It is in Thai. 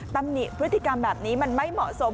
ตำหนิพฤติกรรมแบบนี้มันไม่เหมาะสม